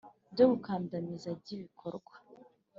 Byo gukandamiza g bikorerwa